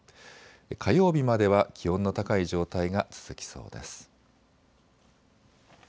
火曜日までは気温の高い状態が続きそうです。